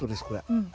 うん。